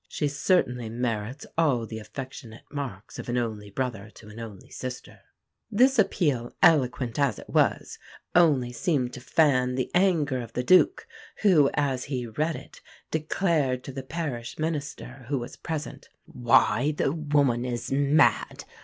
She certainly merits all the affectionate marks of an only brother to an only sister." This appeal, eloquent as it was, only seemed to fan the anger of the Duke, who, as he read it, declared to the Parish minister who was present: "Why, the woman is mad....